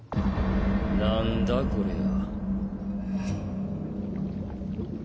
何だこりゃあ？